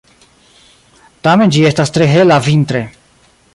Tamen ĝi estas tre hela vintre.